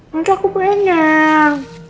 nanti aku pengen